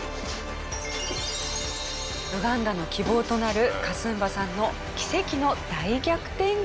ウガンダの希望となるカスンバさんの奇跡の大逆転劇でした。